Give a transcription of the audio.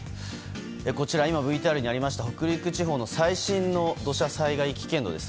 こちら、今ＶＴＲにあった北陸地方の最新の土砂災害危険度です。